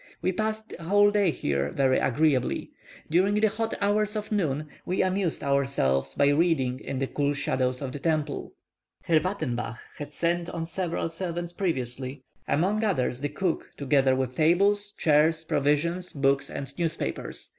We passed a whole day here very agreeably. During the hot hours of noon, we amused ourselves by reading in the cool shadows of the temple. Herr Wattenbach had sent on several servants previously; among others, the cook, together with tables, chairs, provisions, books, and newspapers.